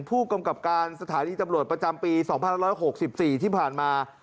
ผู้กำกับการสถานีตำรวจประจำปี๒๑๖๔ที่ผ่านมา